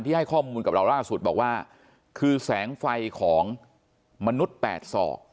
ให้ข้อมูลกับเราล่าสุดบอกว่าคือแสงไฟของมนุษย์แปดศอก